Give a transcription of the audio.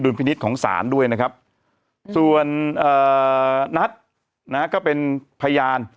พินิษฐ์ของศาลด้วยนะครับส่วนนัทนะฮะก็เป็นพยาน